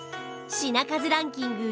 品数ランキング